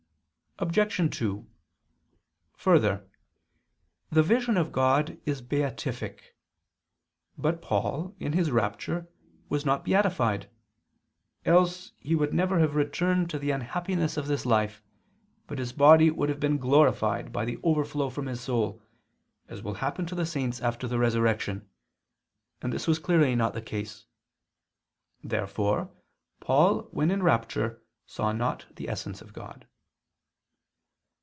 Obj. 2: Further, the vision of God is beatific. But Paul, in his rapture, was not beatified; else he would never have returned to the unhappiness of this life, but his body would have been glorified by the overflow from his soul, as will happen to the saints after the resurrection, and this clearly was not the case. Therefore Paul when in rapture saw not the essence of God.